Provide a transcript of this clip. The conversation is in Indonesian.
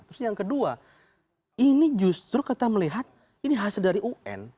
terus yang kedua ini justru kita melihat ini hasil dari un